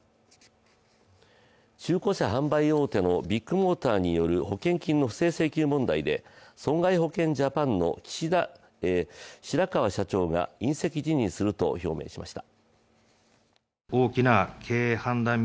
中古車販売大手のビッグモーターによる保険金の不正請求問題で損害保険ジャパンの白川社長が引責辞任すると表明しました。